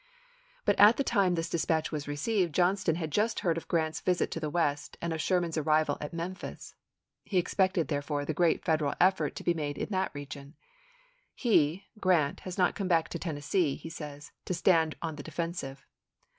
But at the time this dispatch was received, Johnston had just heard of Grant's visit to the West, and of Sherman's arrival at Memphis. He expected, therefore, the great Fed eral effort to be made in that region. " He [Grant] has not come back to Tennessee," he says, " to stand on the defensive.